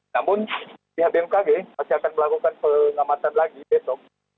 namun pihak bmkg masih akan melakukan pengamatan lagi besok